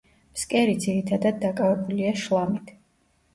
ფსკერი ძირითადად დაკავებულია შლამით.